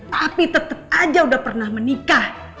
tapi tetap aja udah pernah menikah